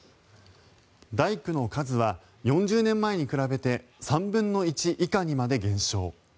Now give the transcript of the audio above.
大工の数は４０年前に比べて３分の１以下にまで減少。